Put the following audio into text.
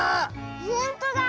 ほんとだ！